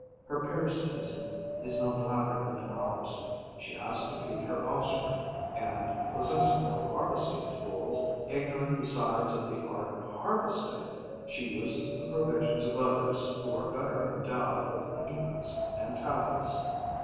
Her parasitism is no blacker than ours: she has to feed her offspring; and, possessing no harvesting tools, ignorant besides of the art of harvesting, she uses the provisions of others who are better endowed with implements and talents.